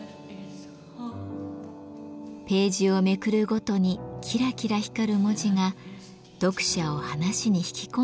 ページをめくるごとにキラキラ光る文字が読者を話に引き込んでゆくという仕掛け。